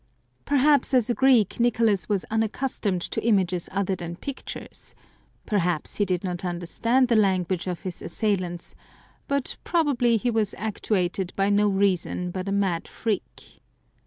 Perhaps, as a Greek, Nicolas was unaccustomed to images other than pictures ; perhaps he did not understand the language of his assailants ; but probably he was actuated by no reason but a mad freak.